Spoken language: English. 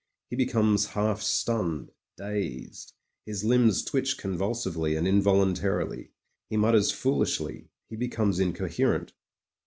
He becomes half stunned, dazed ; his limbs twitch convulsively and involuntarily ; he mutters foolishly — he becomes incoherent.